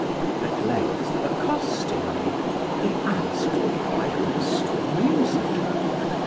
At length accosting me, he asked, If I understood music.